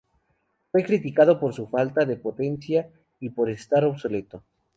Fue criticado por su falta de potencia y por estar obsoleto.